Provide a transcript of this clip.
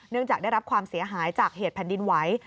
จากได้รับความเสียหายจากเหตุแผ่นดินไหว